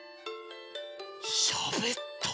しゃべった。